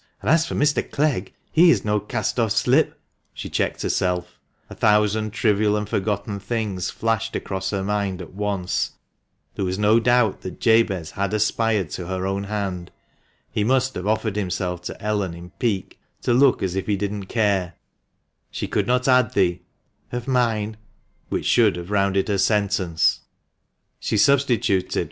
And as for Mr. Clegg ! He is no cast off slip " she checked herself; a thousand trivial and forgotten things flashed across her mind at once ; there was no doubt that Jabez had aspired to her own hand — he must have offered himself to Ellen in pique, to look as if he didn't care ; she could not add the "of mine," which should have rounded her sentence ; she substituted, THE MANCHESTER MAN.